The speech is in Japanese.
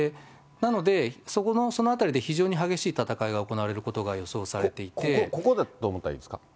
なので、その辺りで非常に激しい戦いが行われることが予想されていて。